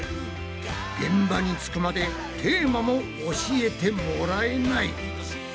現場に着くまでテーマも教えてもらえない！